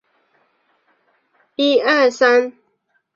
她心里十分难过